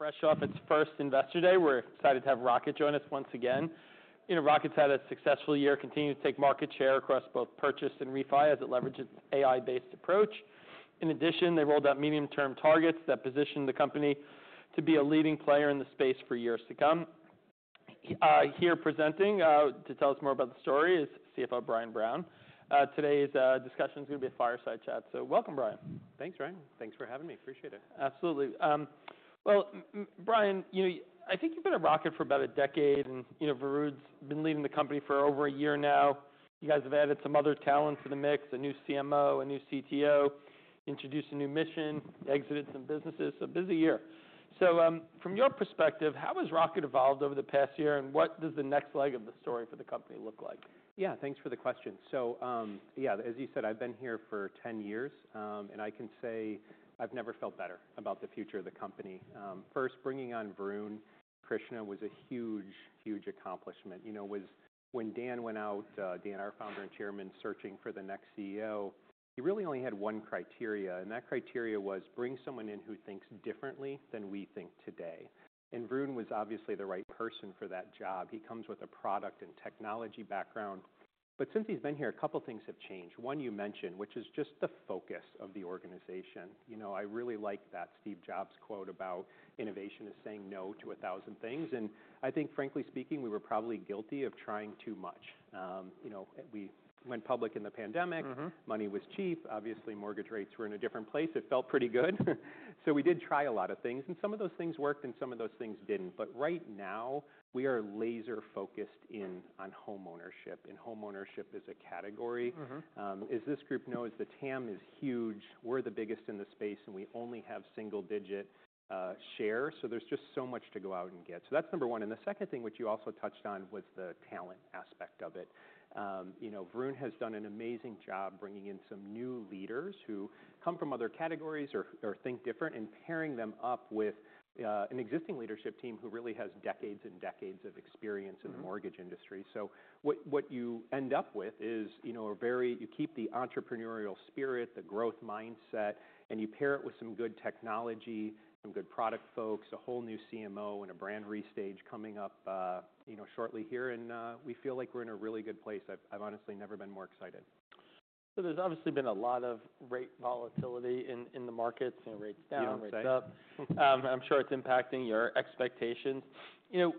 Fresh off its first investor day, we're excited to have Rocket join us once again. You know, Rocket's had a successful year, continuing to take market share across both purchase and refi, as it leverages its AI-based approach. In addition, they rolled out medium-term targets that position the company to be a leading player in the space for years to come. Here presenting to tell us more about the story is CFO Brian Brown. Today's discussion is going to be a fireside chat. So welcome, Brian. Thanks, Ryan. Thanks for having me. Appreciate it. Absolutely. Well, Brian, you know, I think you've been at Rocket for about a decade, and you know, Varun's been leading the company for over a year now. You guys have added some other talent to the mix, a new CMO, a new CTO, introduced a new mission, exited some businesses. So busy year. So from your perspective, how has Rocket evolved over the past year, and what does the next leg of the story for the company look like? Yeah, thanks for the question. So yeah, as you said, I've been here for 10 years, and I can say I've never felt better about the future of the company. First, bringing on Varun Krishna was a huge, huge accomplishment. You know, when Dan went out, Dan, our founder and chairman, searching for the next CEO, he really only had one criteria, and that criteria was bring someone in who thinks differently than we think today. And Varun was obviously the right person for that job. He comes with a product and technology background. But since he's been here, a couple of things have changed. One, you mentioned, which is just the focus of the organization. You know, I really like that Steve Jobs quote about innovation is saying no to a thousand things. And I think, frankly speaking, we were probably guilty of trying too much. You know, we went public in the pandemic. Money was cheap. Obviously, mortgage rates were in a different place. It felt pretty good. So we did try a lot of things, and some of those things worked, and some of those things didn't. But right now, we are laser-focused in on homeownership, and homeownership is a category. As this group knows, the TAM is huge. We're the biggest in the space, and we only have single-digit share. So there's just so much to go out and get. So that's number one. And the second thing, which you also touched on, was the talent aspect of it. You know, Varun has done an amazing job bringing in some new leaders who come from other categories or think different and pairing them up with an existing leadership team who really has decades and decades of experience in the mortgage industry. So what you end up with is, you know, a very, you keep the entrepreneurial spirit, the growth mindset, and you pair it with some good technology, some good product folks, a whole new CMO, and a brand restage coming up, you know, shortly here. And we feel like we're in a really good place. I've honestly never been more excited. So, there's obviously been a lot of rate volatility in the markets, you know, rates down, rates up. I'm sure it's impacting your expectations. You know,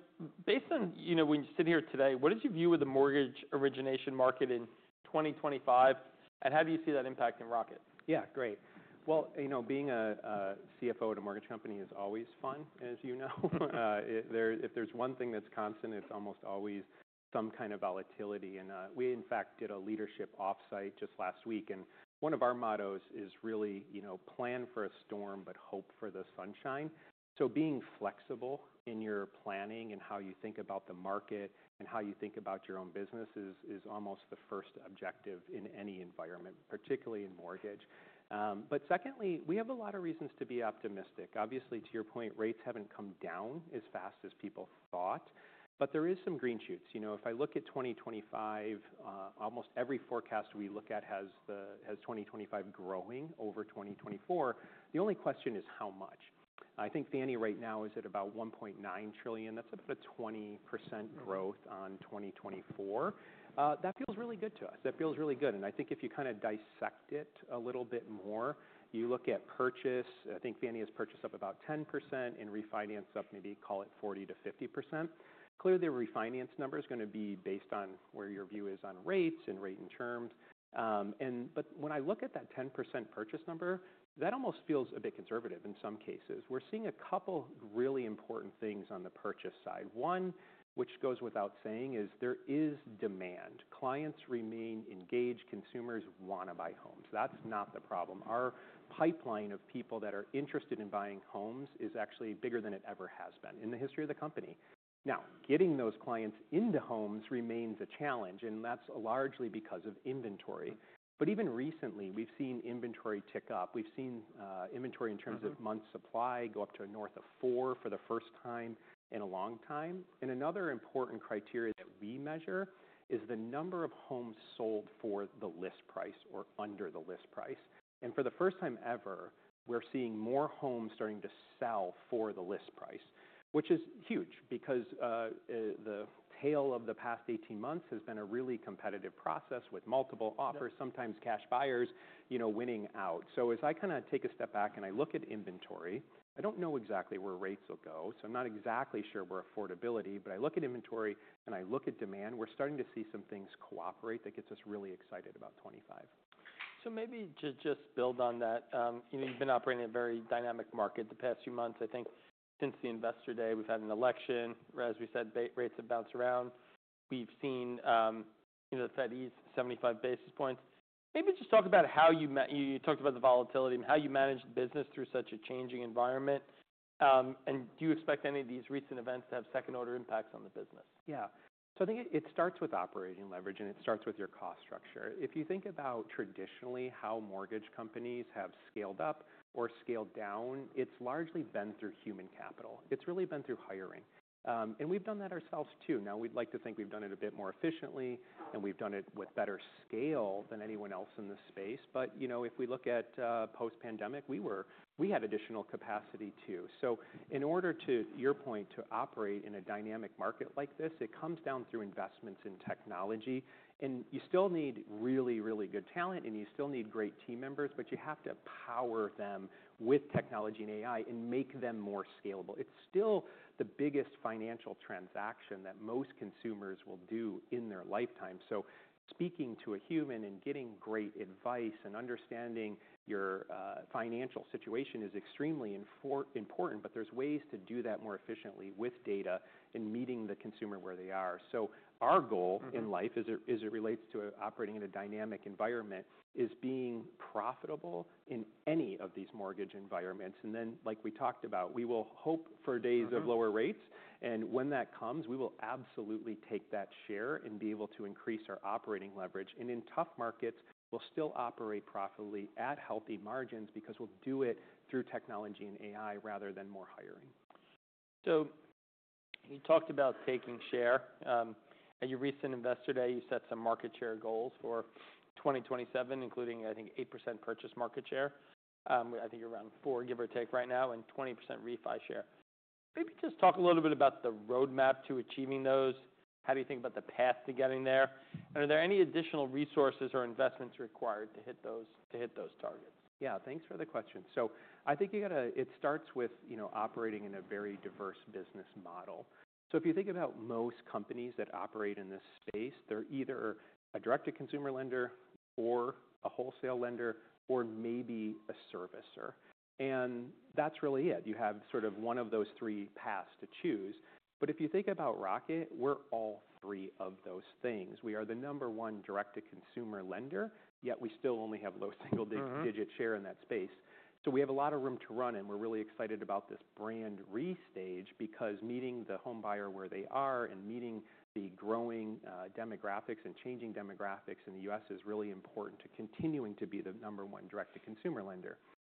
based on, you know, when you sit here today, what is your view of the mortgage origination market in 2025, and how do you see that impacting Rocket? Yeah, great. Well, you know, being a CFO at a mortgage company is always fun, as you know. If there's one thing that's constant, it's almost always some kind of volatility. And we, in fact, did a leadership offsite just last week, and one of our mottos is really, you know, plan for a storm, but hope for the sunshine. So being flexible in your planning and how you think about the market and how you think about your own business is almost the first objective in any environment, particularly in mortgage. But secondly, we have a lot of reasons to be optimistic. Obviously, to your point, rates haven't come down as fast as people thought, but there are some green shoots. You know, if I look at 2025, almost every forecast we look at has 2025 growing over 2024. The only question is how much. I think Fannie right now is at about $1.9 trillion. That's about a 20% growth on 2024. That feels really good to us. That feels really good, and I think if you kind of dissect it a little bit more, you look at purchase. I think Fannie has purchased up about 10% and refinanced up maybe, call it 40%-50%. Clearly, the refinance number is going to be based on where your view is on rates and rate and terms, but when I look at that 10% purchase number, that almost feels a bit conservative in some cases. We're seeing a couple of really important things on the purchase side. One, which goes without saying, is there is demand. Clients remain engaged. Consumers want to buy homes. That's not the problem. Our pipeline of people that are interested in buying homes is actually bigger than it ever has been in the history of the company. Now, getting those clients into homes remains a challenge, and that's largely because of inventory. But even recently, we've seen inventory tick up. We've seen inventory in terms of months' supply go up to north of four for the first time in a long time. And another important criteria that we measure is the number of homes sold for the list price or under the list price. And for the first time ever, we're seeing more homes starting to sell for the list price, which is huge because the tale of the past 18 months has been a really competitive process with multiple offers, sometimes cash buyers, you know, winning out. So as I kind of take a step back and I look at inventory, I don't know exactly where rates will go. So I'm not exactly sure where affordability is, but I look at inventory and I look at demand. We're starting to see some things cooperate that gets us really excited about 2025. So maybe to just build on that, you know, you've been operating in a very dynamic market the past few months. I think since the investor day, we've had an election. As we said, rates have bounced around. We've seen, you know, the Fed eased 75 basis points. Maybe just talk about you talked about the volatility and how you managed the business through such a changing environment. And do you expect any of these recent events to have second-order impacts on the business? Yeah. So I think it starts with operating leverage, and it starts with your cost structure. If you think about traditionally how mortgage companies have scaled up or scaled down, it's largely been through human capital. It's really been through hiring. And we've done that ourselves too. Now, we'd like to think we've done it a bit more efficiently, and we've done it with better scale than anyone else in the space. But, you know, if we look at post-pandemic, we had additional capacity too. So in order to, to your point, to operate in a dynamic market like this, it comes down through investments in technology. And you still need really, really good talent, and you still need great team members, but you have to power them with technology and AI and make them more scalable. It's still the biggest financial transaction that most consumers will do in their lifetime. So speaking to a human and getting great advice and understanding your financial situation is extremely important, but there are ways to do that more efficiently with data and meeting the consumer where they are. So our goal in life, as it relates to operating in a dynamic environment, is being profitable in any of these mortgage environments. And then, like we talked about, we will hope for days of lower rates. And when that comes, we will absolutely take that share and be able to increase our operating leverage. And in tough markets, we'll still operate profitably at healthy margins because we'll do it through technology and AI rather than more hiring. So you talked about taking share. At your recent investor day, you set some market share goals for 2027, including, I think, 8% purchase market share. I think you're around four, give or take, right now, and 20% refi share. Maybe just talk a little bit about the roadmap to achieving those. How do you think about the path to getting there? And are there any additional resources or investments required to hit those targets? Yeah, thanks for the question. So I think you got to. It starts with, you know, operating in a very diverse business model. So if you think about most companies that operate in this space, they're either a direct-to-consumer lender or a wholesale lender or maybe a servicer. And that's really it. You have sort of one of those three paths to choose. But if you think about Rocket, we're all three of those things. We are the number one direct-to-consumer lender, yet we still only have low single-digit share in that space. So we have a lot of room to run, and we're really excited about this brand restage because meeting the home buyer where they are and meeting the growing demographics and changing demographics in the U.S. is really important to continuing to be the number one direct-to-consumer lender.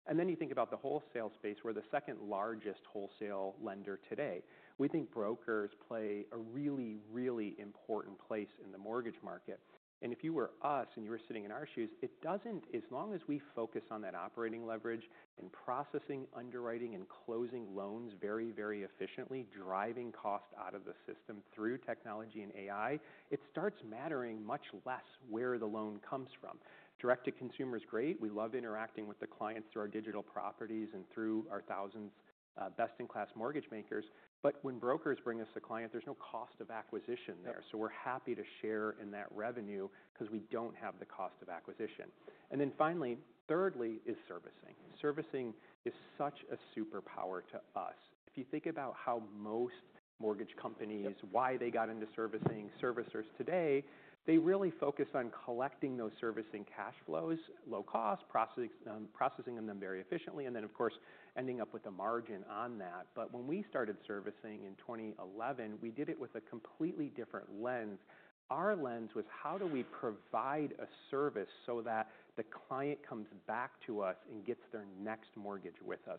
And then you think about the wholesale space, we're the second largest wholesale lender today. We think brokers play a really, really important place in the mortgage market. And if you were us and you were sitting in our shoes, it doesn't, as long as we focus on that operating leverage and processing, underwriting, and closing loans very, very efficiently, driving cost out of the system through technology and AI, it starts mattering much less where the loan comes from. Direct-to-consumer is great. We love interacting with the clients through our digital properties and through our thousands of best-in-class mortgage makers. But when brokers bring us a client, there's no cost of acquisition there. So we're happy to share in that revenue because we don't have the cost of acquisition. And then finally, thirdly, is servicing. Servicing is such a superpower to us. If you think about how most mortgage companies, why they got into servicing, servicers today, they really focus on collecting those servicing cash flows, low cost, processing them very efficiently, and then, of course, ending up with a margin on that. But when we started servicing in 2011, we did it with a completely different lens. Our lens was, how do we provide a service so that the client comes back to us and gets their next mortgage with us?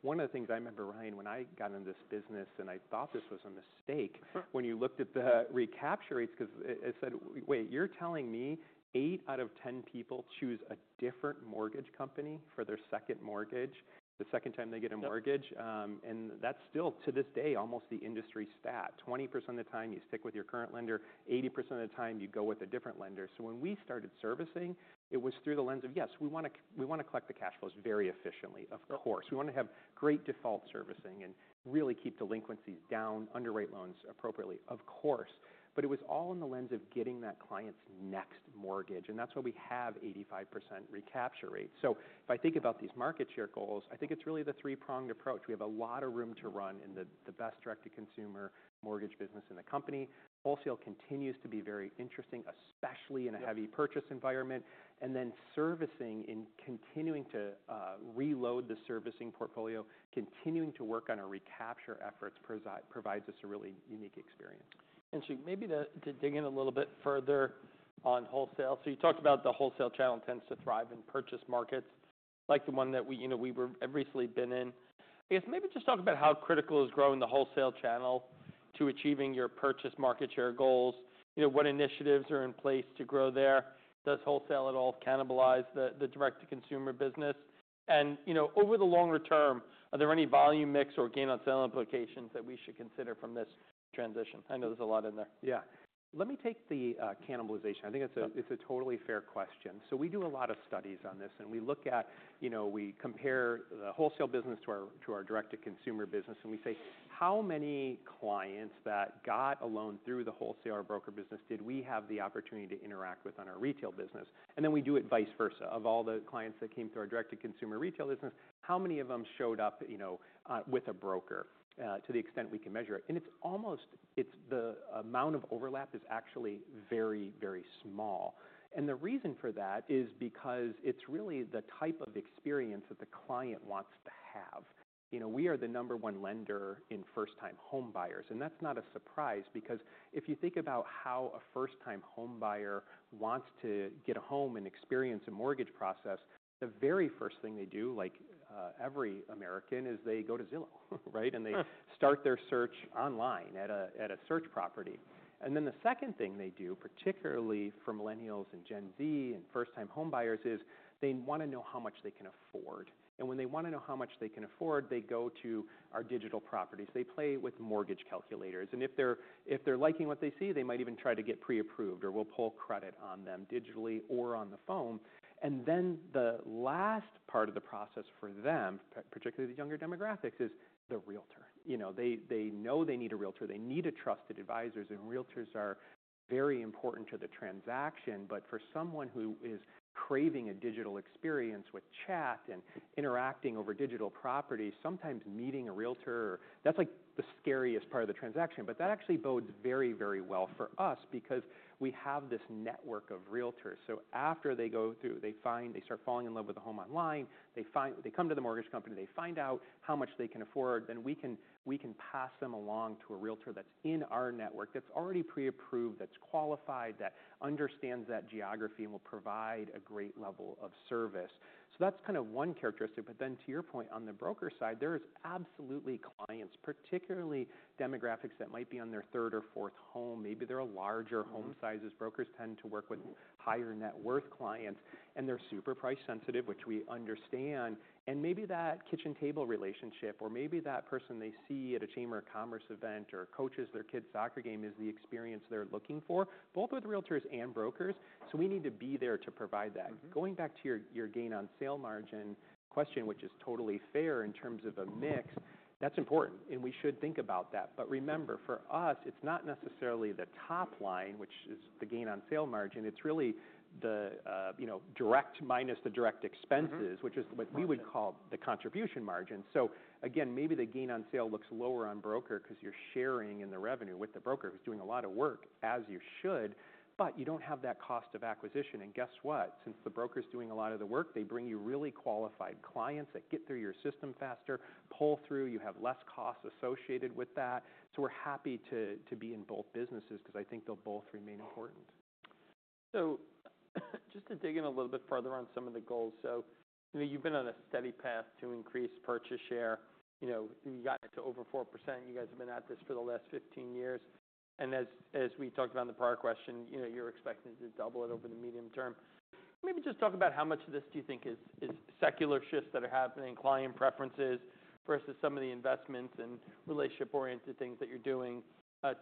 One of the things I remember, Ryan, when I got into this business and I thought this was a mistake, when you looked at the recapture rates, because I said, "Wait, you're telling me eight out of ten people choose a different mortgage company for their second mortgage the second time they get a mortgage?" And that's still, to this day, almost the industry stat. 20% of the time you stick with your current lender. 80% of the time you go with a different lender, so when we started servicing, it was through the lens of, yes, we want to collect the cash flows very efficiently, of course. We want to have great default servicing and really keep delinquencies down, underwrite loans appropriately, of course, but it was all in the lens of getting that client's next mortgage, and that's why we have 85% recapture rate, so if I think about these market share goals, I think it's really the three-pronged approach. We have a lot of room to run in the best direct-to-consumer mortgage business in the company. Wholesale continues to be very interesting, especially in a heavy purchase environment, and then servicing and continuing to reload the servicing portfolio, continuing to work on our recapture efforts provides us a really unique experience. And so, maybe to dig in a little bit further on wholesale. So you talked about the wholesale channel tends to thrive in purchase markets like the one that we, you know, we've recently been in. I guess maybe just talk about how critical is growing the wholesale channel to achieving your purchase market share goals. You know, what initiatives are in place to grow there? Does wholesale at all cannibalize the direct-to-consumer business? And, you know, over the longer term, are there any volume mix or gain-on-sale implications that we should consider from this transition? I know there's a lot in there. Yeah. Let me take the cannibalization. I think it's a totally fair question. So we do a lot of studies on this, and we look at, you know, we compare the wholesale business to our direct-to-consumer business, and we say, how many clients that got a loan through the wholesale or broker business did we have the opportunity to interact with on our retail business? And then we do it vice versa. Of all the clients that came through our direct-to-consumer retail business, how many of them showed up, you know, with a broker to the extent we can measure it? And it's almost. It's the amount of overlap is actually very, very small. And the reason for that is because it's really the type of experience that the client wants to have. You know, we are the number one lender in first-time home buyers. That's not a surprise because if you think about how a first-time home buyer wants to get a home and experience a mortgage process, the very first thing they do, like every American, is they go to Zillow, right? And they start their search online at a search property. And then the second thing they do, particularly for millennials and Gen Z and first-time home buyers, is they want to know how much they can afford. And when they want to know how much they can afford, they go to our digital properties. They play with mortgage calculators. And if they're liking what they see, they might even try to get pre-approved or we'll pull credit on them digitally or on the phone. And then the last part of the process for them, particularly the younger demographics, is the realtor. You know, they know they need a realtor. They need trusted advisors and realtors are very important to the transaction, but for someone who is craving a digital experience with chat and interacting over digital property, sometimes meeting a realtor, that's like the scariest part of the transaction, but that actually bodes very, very well for us because we have this network of realtors, so after they go through, they find, they start falling in love with a home online, they come to the mortgage company, they find out how much they can afford, then we can pass them along to a realtor that's in our network, that's already pre-approved, that's qualified, that understands that geography and will provide a great level of service, so that's kind of one characteristic, but then to your point on the broker side, there are absolutely clients, particularly demographics that might be on their third or fourth home. Maybe they're a larger home size. Brokers tend to work with higher net worth clients, and they're super price sensitive, which we understand, and maybe that kitchen table relationship or maybe that person they see at a Chamber of Commerce event or coaches their kid's soccer game is the experience they're looking for, both with realtors and brokers, so we need to be there to provide that. Going back to your gain-on-sale margin question, which is totally fair in terms of a mix, that's important, and we should think about that, but remember, for us, it's not necessarily the top line, which is the gain-on-sale margin. It's really the, you know, direct minus the direct expenses, which is what we would call the contribution margin. So, again, maybe the gain-on-sale looks lower on broker because you're sharing in the revenue with the broker who's doing a lot of work, as you should, but you don't have that cost of acquisition. And guess what? Since the broker's doing a lot of the work, they bring you really qualified clients that get through your system faster, pull through, you have less cost associated with that. So, we're happy to be in both businesses because I think they'll both remain important. So just to dig in a little bit further on some of the goals. So, you know, you've been on a steady path to increase purchase share. You know, you got it to over 4%. You guys have been at this for the last 15 years. And as we talked about in the prior question, you know, you're expecting to double it over the medium term. Maybe just talk about how much of this do you think is secular shifts that are happening, client preferences versus some of the investments and relationship-oriented things that you're doing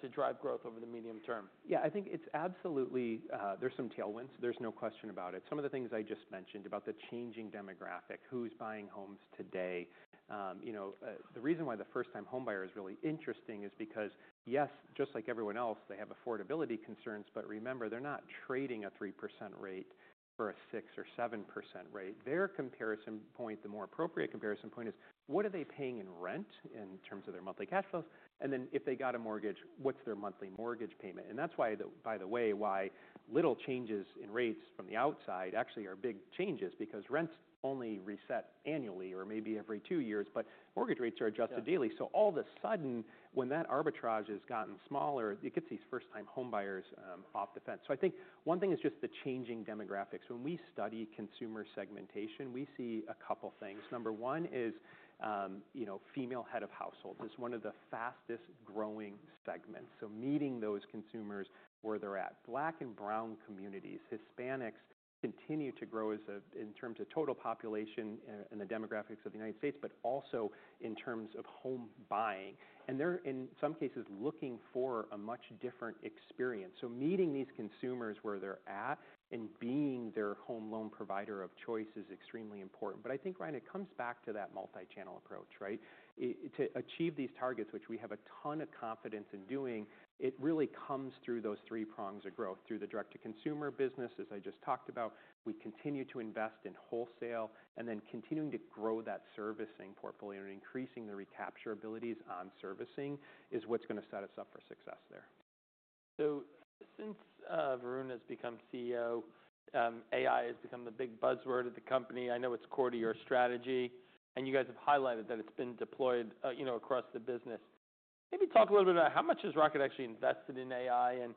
to drive growth over the medium term. Yeah, I think it's absolutely. There's some tailwinds. There's no question about it. Some of the things I just mentioned about the changing demographic, who's buying homes today. You know, the reason why the first-time home buyer is really interesting is because, yes, just like everyone else, they have affordability concerns. But remember, they're not trading a 3% rate for a 6% or 7% rate. Their comparison point, the more appropriate comparison point, is what are they paying in rent in terms of their monthly cash flows? And then if they got a mortgage, what's their monthly mortgage payment? And that's why, by the way, why little changes in rates from the outside actually are big changes because rents only reset annually or maybe every two years, but mortgage rates are adjusted daily. So all of a sudden, when that arbitrage has gotten smaller, it gets these first-time home buyers off the fence. So I think one thing is just the changing demographics. When we study consumer segmentation, we see a couple of things. Number one is, you know, female head of households is one of the fastest growing segments. So meeting those consumers where they're at. Black and brown communities, Hispanics continue to grow in terms of total population and the demographics of the United States, but also in terms of home buying. And they're, in some cases, looking for a much different experience. So meeting these consumers where they're at and being their home loan provider of choice is extremely important. But I think, Ryan, it comes back to that multi-channel approach, right? To achieve these targets, which we have a ton of confidence in doing, it really comes through those three prongs of growth: through the direct-to-consumer business, as I just talked about. We continue to invest in wholesale and then continuing to grow that servicing portfolio and increasing the recapture abilities on servicing is what's going to set us up for success there. So since Varun has become CEO, AI has become the big buzzword at the company. I know it's core to your strategy. And you guys have highlighted that it's been deployed, you know, across the business. Maybe talk a little bit about how much has Rocket actually invested in AI? And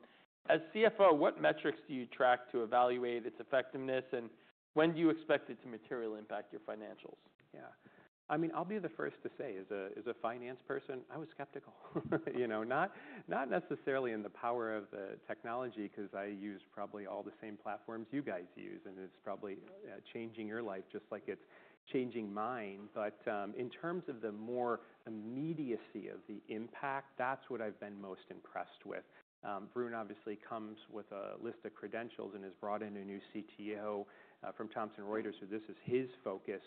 as CFO, what metrics do you track to evaluate its effectiveness? And when do you expect it to materially impact your financials? Yeah. I mean, I'll be the first to say, as a finance person, I was skeptical, you know, not necessarily in the power of the technology because I use probably all the same platforms you guys use, and it's probably changing your life just like it's changing mine. But in terms of the more immediacy of the impact, that's what I've been most impressed with. Varun obviously comes with a list of credentials and has brought in a new CTO from Thomson Reuters, so this is his focus.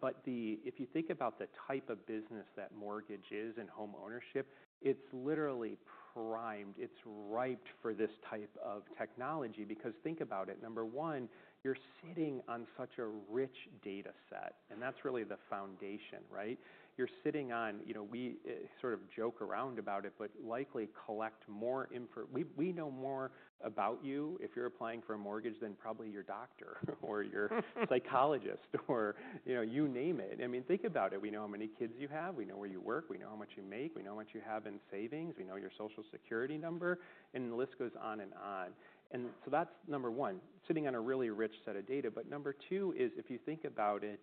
But if you think about the type of business that mortgage is and home ownership, it's literally primed. It's ripe for this type of technology because think about it. Number one, you're sitting on such a rich data set, and that's really the foundation, right? You're sitting on, you know, we sort of joke around about it, but likely collect more info. We know more about you if you're applying for a mortgage than probably your doctor or your psychologist or, you know, you name it. I mean, think about it. We know how many kids you have. We know where you work. We know how much you make. We know how much you have in savings. We know your Social Security number. And the list goes on and on. And so that's number one, sitting on a really rich set of data. But number two is, if you think about it,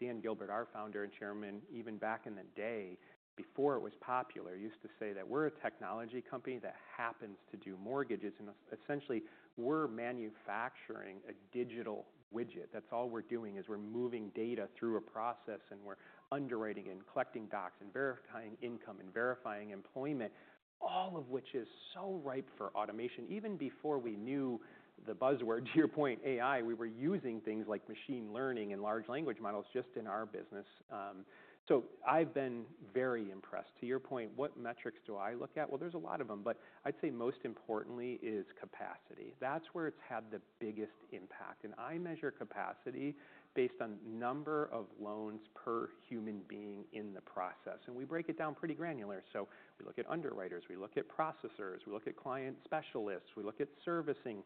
Dan Gilbert, our founder and chairman, even back in the day, before it was popular, used to say that we're a technology company that happens to do mortgages. And essentially, we're manufacturing a digital widget. That's all we're doing is we're moving data through a process, and we're underwriting and collecting docs and verifying income and verifying employment, all of which is so ripe for automation. Even before we knew the buzzword, to your point, AI, we were using things like machine learning and large language models just in our business. So I've been very impressed. To your point, what metrics do I look at? Well, there's a lot of them, but I'd say most importantly is capacity. That's where it's had the biggest impact. And I measure capacity based on the number of loans per human being in the process. And we break it down pretty granular. So we look at underwriters. We look at processors. We look at client specialists. We look at servicing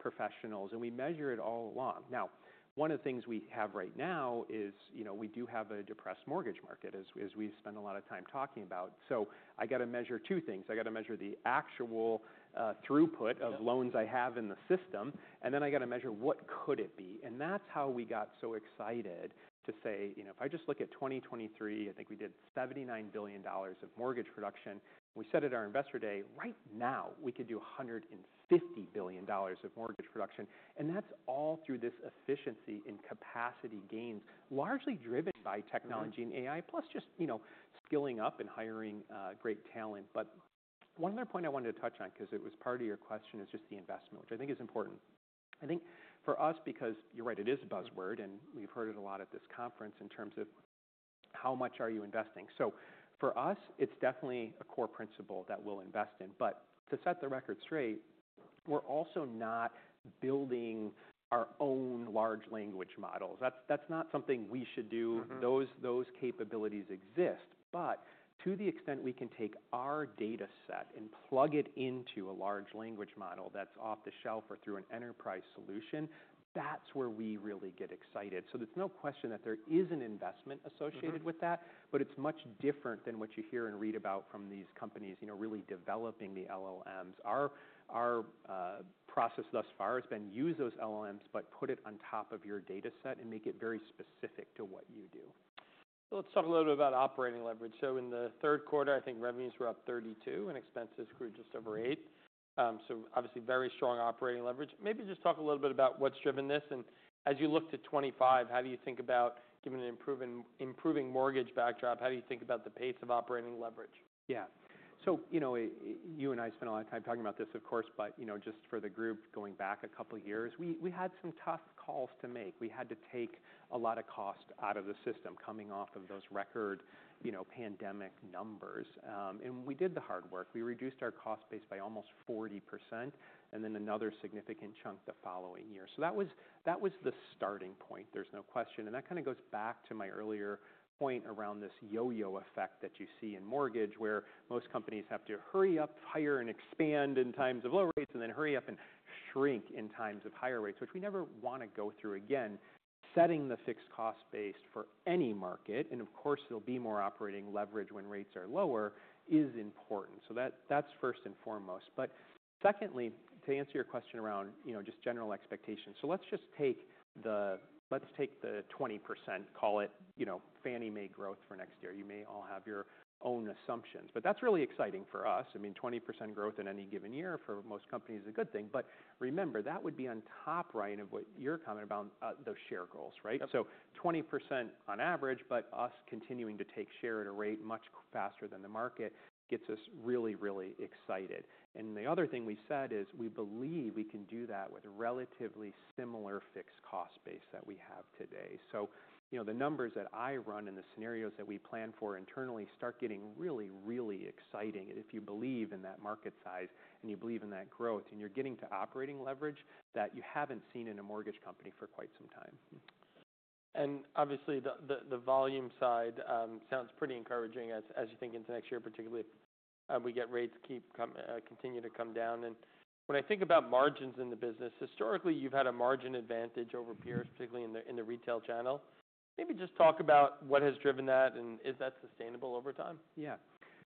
professionals. And we measure it all along. Now, one of the things we have right now is, you know, we do have a depressed mortgage market, as we spend a lot of time talking about, so I got to measure two things. I got to measure the actual throughput of loans I have in the system, and then I got to measure what could it be, and that's how we got so excited to say, you know, if I just look at 2023, I think we did $79 billion of mortgage production. We said at our investor day, right now, we could do $150 billion of mortgage production, and that's all through this efficiency in capacity gains, largely driven by technology and AI, plus just, you know, skilling up and hiring great talent. But one other point I wanted to touch on because it was part of your question is just the investment, which I think is important. I think for us, because you're right, it is a buzzword, and we've heard it a lot at this conference in terms of how much are you investing. So for us, it's definitely a core principle that we'll invest in. But to set the record straight, we're also not building our own large language models. That's not something we should do. Those capabilities exist. But to the extent we can take our data set and plug it into a large language model that's off the shelf or through an enterprise solution, that's where we really get excited. So, there's no question that there is an investment associated with that, but it's much different than what you hear and read about from these companies, you know, really developing the LLMs. Our process thus far has been to use those LLMs, but put it on top of your data set and make it very specific to what you do. So let's talk a little bit about operating leverage. So in the third quarter, I think revenues were up 32%, and expenses grew just over 8%. So obviously, very strong operating leverage. Maybe just talk a little bit about what's driven this. And as you look to 2025, how do you think about given an improving mortgage backdrop, how do you think about the pace of operating leverage? Yeah. So, you know, you and I spent a lot of time talking about this, of course, but, you know, just for the group, going back a couple of years, we had some tough calls to make. We had to take a lot of cost out of the system coming off of those record, you know, pandemic numbers. And we did the hard work. We reduced our cost base by almost 40% and then another significant chunk the following year. So that was the starting point, there's no question. And that kind of goes back to my earlier point around this yo-yo effect that you see in mortgage, where most companies have to hurry up, hire, and expand in times of low rates, and then hurry up and shrink in times of higher rates, which we never want to go through again. Setting the fixed cost base for any market, and of course, there'll be more operating leverage when rates are lower, is important. So that's first and foremost. But secondly, to answer your question around, you know, just general expectations, so let's just take the 20%, call it, you know, Fannie Mae growth for next year. You may all have your own assumptions. But that's really exciting for us. I mean, 20% growth in any given year for most companies is a good thing. But remember, that would be on top, Ryan, of what you're commenting about, those share goals, right? So 20% on average, but us continuing to take share at a rate much faster than the market gets us really, really excited. And the other thing we said is we believe we can do that with a relatively similar fixed cost base that we have today. So, you know, the numbers that I run and the scenarios that we plan for internally start getting really, really exciting if you believe in that market size and you believe in that growth and you're getting to operating leverage that you haven't seen in a mortgage company for quite some time. Obviously, the volume side sounds pretty encouraging as you think into next year, particularly if we get rates continue to come down. When I think about margins in the business, historically, you've had a margin advantage over peers, particularly in the retail channel. Maybe just talk about what has driven that and is that sustainable over time? Yeah.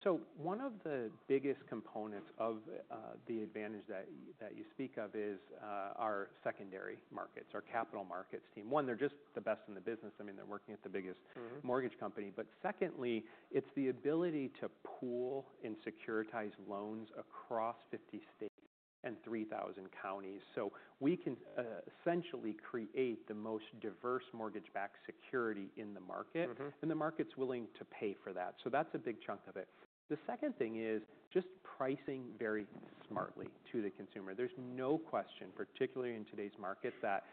So one of the biggest components of the advantage that you speak of is our secondary markets, our capital markets team. One, they're just the best in the business. I mean, they're working at the biggest mortgage company. But secondly, it's the ability to pool and securitize loans across 50 states and 3,000 counties. So we can essentially create the most diverse mortgage-backed security in the market, and the market's willing to pay for that. So that's a big chunk of it. The second thing is just pricing very smartly to the consumer. There's no question, particularly in today's market, that,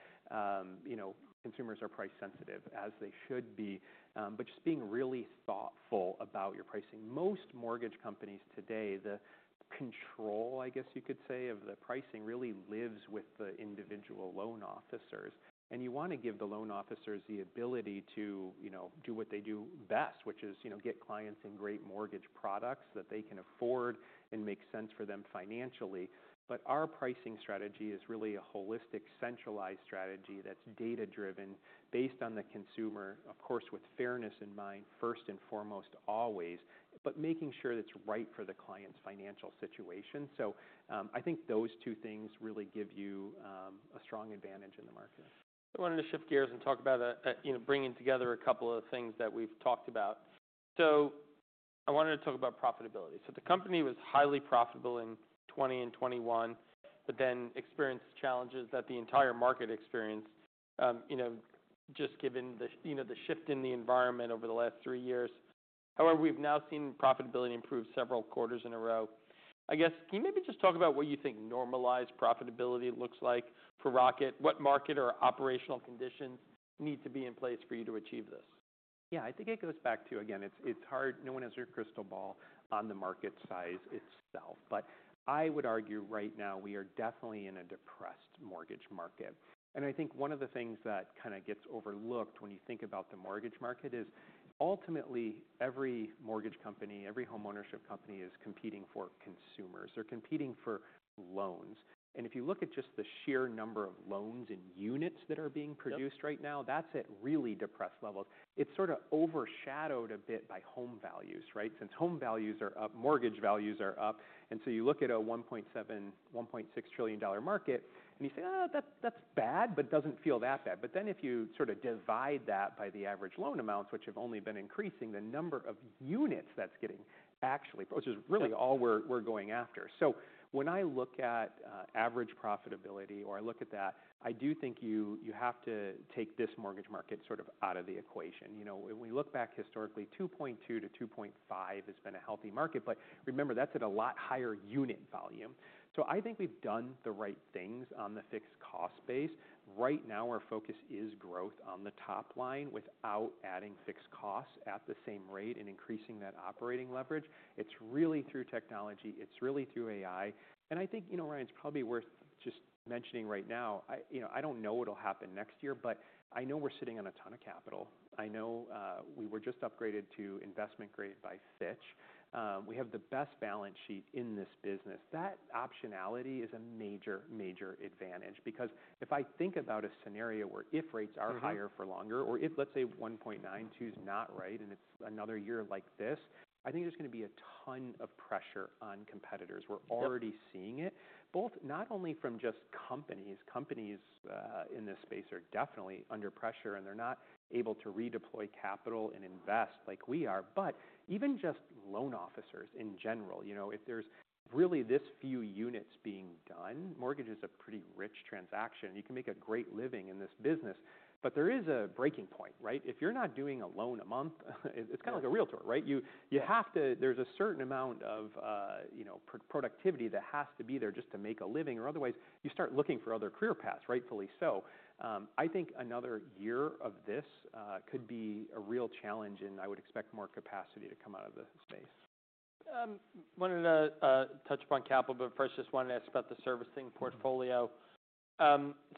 you know, consumers are price sensitive, as they should be, but just being really thoughtful about your pricing. Most mortgage companies today, the control, I guess you could say, of the pricing really lives with the individual loan officers. And you want to give the loan officers the ability to, you know, do what they do best, which is, you know, get clients in great mortgage products that they can afford and make sense for them financially. But our pricing strategy is really a holistic centralized strategy that's data-driven based on the consumer, of course, with fairness in mind first and foremost always, but making sure it's right for the client's financial situation. So I think those two things really give you a strong advantage in the market. I wanted to shift gears and talk about, you know, bringing together a couple of things that we've talked about. So I wanted to talk about profitability. So the company was highly profitable in 2020 and 2021, but then experienced challenges that the entire market experienced, you know, just given the, you know, the shift in the environment over the last three years. However, we've now seen profitability improve several quarters in a row. I guess can you maybe just talk about what you think normalized profitability looks like for Rocket? What market or operational conditions need to be in place for you to achieve this? Yeah. I think it goes back to, again, it's hard. No one has a crystal ball on the market size itself. But I would argue right now we are definitely in a depressed mortgage market. And I think one of the things that kind of gets overlooked when you think about the mortgage market is ultimately every mortgage company, every homeownership company is competing for consumers. They're competing for loans. And if you look at just the sheer number of loans and units that are being produced right now, that's at really depressed levels. It's sort of overshadowed a bit by home values, right? Since home values are up, mortgage values are up. And so you look at a $1.7, $1.6 trillion market, and you say, "Oh, that's bad, but it doesn't feel that bad." But then if you sort of divide that by the average loan amounts, which have only been increasing, the number of units that's getting actually purchased is really all we're going after. So when I look at average profitability or I look at that, I do think you have to take this mortgage market sort of out of the equation. You know, when we look back historically, 2.2-2.5 has been a healthy market, but remember, that's at a lot higher unit volume. So I think we've done the right things on the fixed cost base. Right now, our focus is growth on the top line without adding fixed costs at the same rate and increasing that operating leverage. It's really through technology. It's really through AI. I think, you know, Ryan, it's probably worth just mentioning right now, you know, I don't know what'll happen next year, but I know we're sitting on a ton of capital. I know we were just upgraded to investment grade by Fitch. We have the best balance sheet in this business. That optionality is a major, major advantage because if I think about a scenario where if rates are higher for longer or if, let's say, 1.92 is not right and it's another year like this, I think there's going to be a ton of pressure on competitors. We're already seeing it, both not only from just companies. Companies in this space are definitely under pressure, and they're not able to redeploy capital and invest like we are. But even just loan officers in general, you know, if there's really this few units being done, mortgage is a pretty rich transaction. You can make a great living in this business, but there is a breaking point, right? If you're not doing a loan a month, it's kind of like a realtor, right? You have to, there's a certain amount of, you know, productivity that has to be there just to make a living, or otherwise you start looking for other career paths, rightfully so. I think another year of this could be a real challenge, and I would expect more capacity to come out of the space. I wanted to touch upon capital, but first just wanted to ask about the servicing portfolio.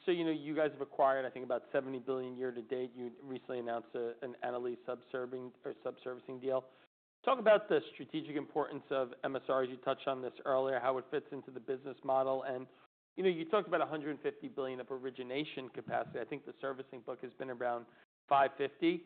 So, you know, you guys have acquired, I think, about $70 billion year to date. You recently announced an Annaly subservicing deal. Talk about the strategic importance of MSRs. You touched on this earlier, how it fits into the business model, and, you know, you talked about $150 billion of origination capacity. I think the servicing book has been around $550 billion.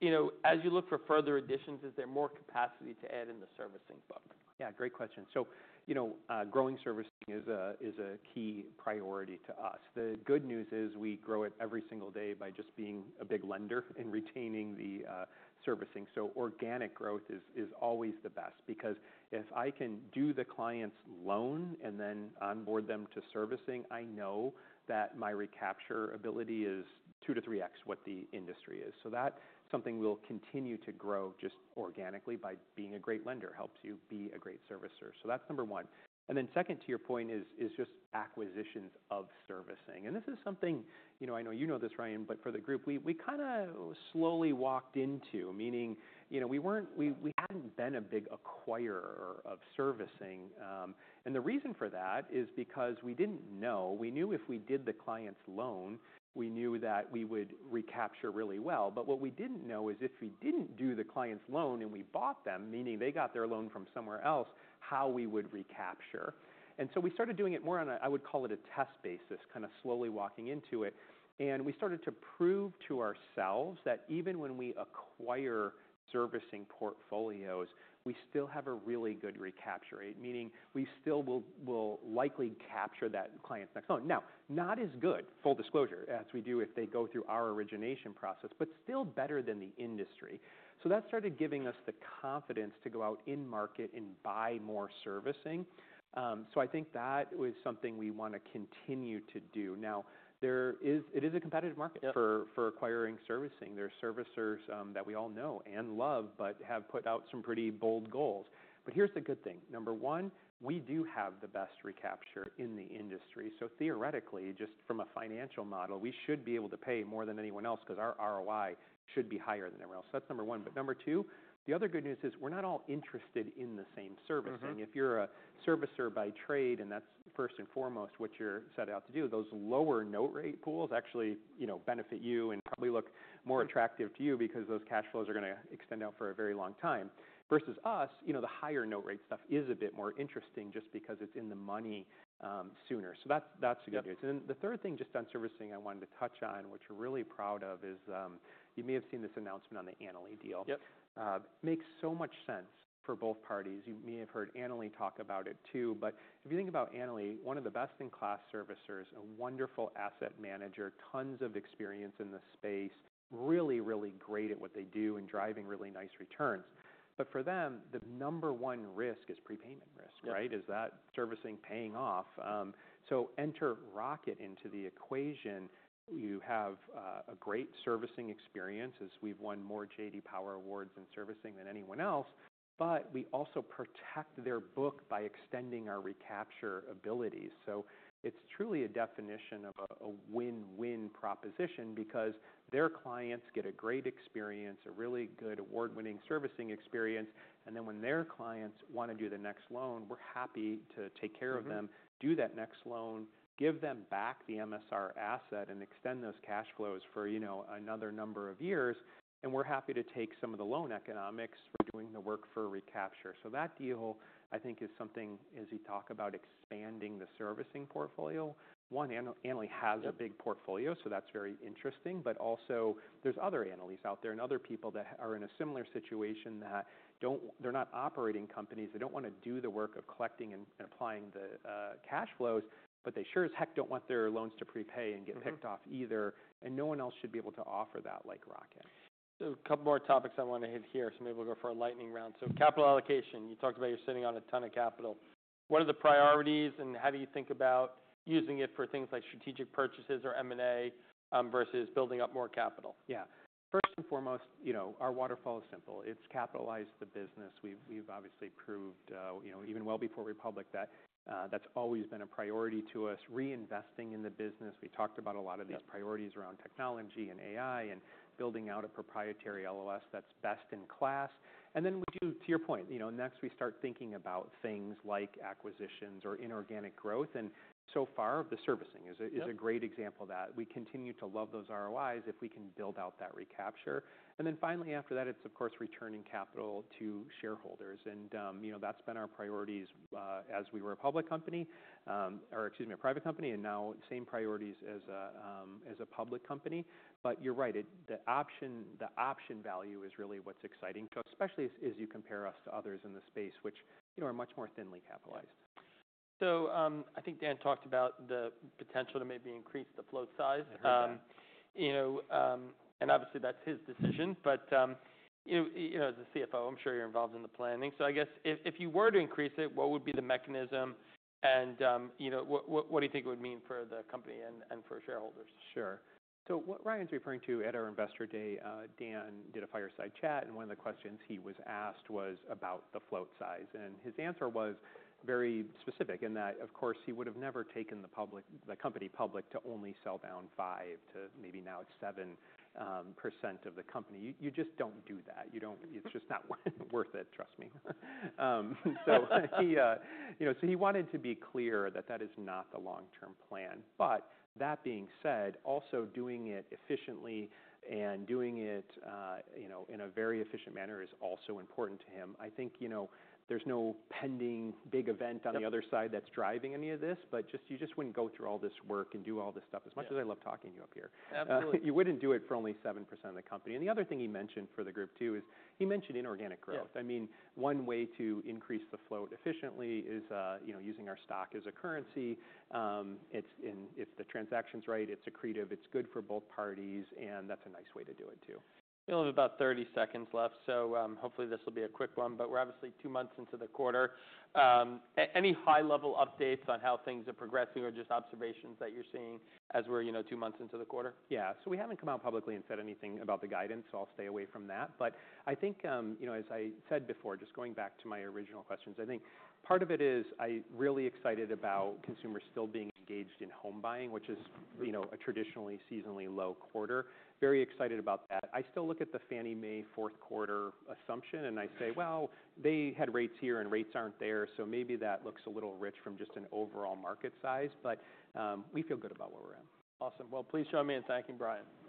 You know, as you look for further additions, is there more capacity to add in the servicing book? Yeah, great question. So, you know, growing servicing is a key priority to us. The good news is we grow it every single day by just being a big lender and retaining the servicing. So organic growth is always the best because if I can do the client's loan and then onboard them to servicing, I know that my recapture ability is 2x-3x what the industry is. So that's something we'll continue to grow just organically by being a great lender helps you be a great servicer. So that's number one. And then second to your point is just acquisitions of servicing. And this is something, you know, I know you know this, Ryan, but for the group, we kind of slowly walked into, meaning, you know, we hadn't been a big acquirer of servicing. And the reason for that is because we didn't know. We knew if we did the client's loan, we knew that we would recapture really well, but what we didn't know is if we didn't do the client's loan and we bought them, meaning they got their loan from somewhere else, how we would recapture, and so we started doing it more on a, I would call it a test basis, kind of slowly walking into it, and we started to prove to ourselves that even when we acquire servicing portfolios, we still have a really good recapture rate, meaning we still will likely capture that client's next loan. Now, not as good, full disclosure, as we do if they go through our origination process, but still better than the industry, so that started giving us the confidence to go out in market and buy more servicing, so I think that was something we want to continue to do. Now, it is a competitive market for acquiring servicing. There are servicers that we all know and love but have put out some pretty bold goals. But here's the good thing. Number one, we do have the best recapture in the industry. So theoretically, just from a financial model, we should be able to pay more than anyone else because our ROI should be higher than everyone else. That's number one. But number two, the other good news is we're not all interested in the same servicing. If you're a servicer by trade and that's first and foremost what you're set out to do, those lower note rate pools actually, you know, benefit you and probably look more attractive to you because those cash flows are going to extend out for a very long time. Versus us, you know, the higher note rate stuff is a bit more interesting just because it's in the money sooner. So that's the good news. And then the third thing just on servicing I wanted to touch on, which we're really proud of, is you may have seen this announcement on the Annaly deal. It makes so much sense for both parties. You may have heard Annaly talk about it too. But if you think about Annaly, one of the best in class servicers, a wonderful asset manager, tons of experience in the space, really, really great at what they do and driving really nice returns. But for them, the number one risk is prepayment risk, right? Is that servicing paying off? So enter Rocket into the equation. You have a great servicing experience as we've won more J.D. Power awards in servicing than anyone else, but we also protect their book by extending our recapture abilities. So it's truly a definition of a win-win proposition because their clients get a great experience, a really good award-winning servicing experience, and then when their clients want to do the next loan, we're happy to take care of them, do that next loan, give them back the MSR asset and extend those cash flows for, you know, another number of years, and we're happy to take some of the loan economics for doing the work for recapture. So that deal, I think, is something, as you talk about expanding the servicing portfolio. One, Annaly has a big portfolio, so that's very interesting, but also there's other Annalys out there and other people that are in a similar situation that they're not operating companies. They don't want to do the work of collecting and applying the cash flows, but they sure as heck don't want their loans to prepay and get picked off either, and no one else should be able to offer that like Rocket. A couple more topics I want to hit here. Maybe we'll go for a lightning round. Capital allocation, you talked about you're sitting on a ton of capital. What are the priorities and how do you think about using it for things like strategic purchases or M&A versus building up more capital? Yeah. First and foremost, you know, our waterfall is simple. It's capitalize the business. We've obviously proved, you know, even well before Republic that that's always been a priority to us, reinvesting in the business. We talked about a lot of these priorities around technology and AI and building out a proprietary LOS that's best in class. And then we do, to your point, you know, next we start thinking about things like acquisitions or inorganic growth. And so far, the servicing is a great example of that. We continue to love those ROIs if we can build out that recapture. And then finally, after that, it's, of course, returning capital to shareholders. And, you know, that's been our priorities as we were a public company or, excuse me, a private company, and now same priorities as a public company. But you're right, the option value is really what's exciting, especially as you compare us to others in the space, which, you know, are much more thinly capitalized. So I think Dan talked about the potential to maybe increase the float size. You know, and obviously that's his decision, but you know, as a CFO, I'm sure you're involved in the planning. So I guess if you were to increase it, what would be the mechanism and, you know, what do you think it would mean for the company and for shareholders? Sure. So what Ryan's referring to at our investor day, Dan did a fireside chat, and one of the questions he was asked was about the float size. And his answer was very specific in that, of course, he would have never taken the company public to only sell down 5% to maybe now it's 7% of the company. You just don't do that. You don't; it's just not worth it, trust me. So he, you know, so he wanted to be clear that that is not the long-term plan. But that being said, also doing it efficiently and doing it, you know, in a very efficient manner is also important to him. I think, you know, there's no pending big event on the other side that's driving any of this, but just, you just wouldn't go through all this work and do all this stuff. As much as I love talking to you up here, you wouldn't do it for only 7% of the company. And the other thing he mentioned for the group too is he mentioned inorganic growth. I mean, one way to increase the float efficiently is, you know, using our stock as a currency. It's, and if the transaction's right, it's accretive, it's good for both parties, and that's a nice way to do it too. We only have about 30 seconds left, so hopefully this will be a quick one, but we're obviously two months into the quarter. Any high-level updates on how things are progressing or just observations that you're seeing as we're, you know, two months into the quarter? Yeah. So we haven't come out publicly and said anything about the guidance, so I'll stay away from that. But I think, you know, as I said before, just going back to my original questions, I think part of it is I'm really excited about consumers still being engaged in home buying, which is, you know, a traditionally seasonally low quarter. Very excited about that. I still look at the Fannie Mae fourth quarter assumption and I say, well, they had rates here and rates aren't there, so maybe that looks a little rich from just an overall market size, but we feel good about where we're at. Awesome. Well, please join me in thanking Brian.